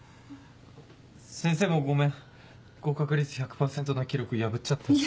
先生もごめん合格率１００％の記録破っちゃったし。